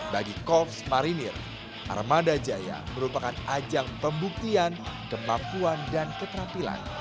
bagi komando tugas mendarat